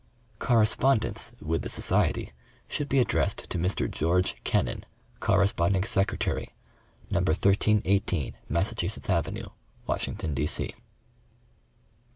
Correspondence with the Society should be addressed to Mr. George Kennan, Corresponding Secretary, No. 1318 Massa chusetts Avenue, Washington, D. C.